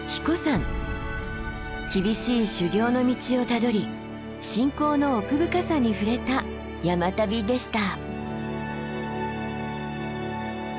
厳しい修行の道をたどり信仰の奥深さに触れた山旅でした。